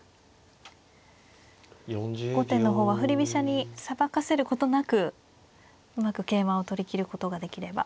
後手の方は振り飛車にさばかせることなくうまく桂馬を取りきることができれば。